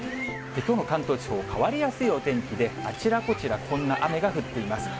きょうの関東地方、変わりやすいお天気で、あちらこちら、こんな雨が降っています。